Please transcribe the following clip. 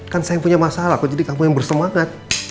kan saya yang punya masalah kok jadi kamu yang bersemangat